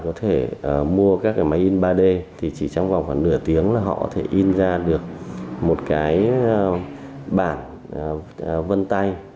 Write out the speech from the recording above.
có thể mua các cái máy in ba d thì chỉ trong vòng khoảng nửa tiếng là họ có thể in ra được một cái bản vân tay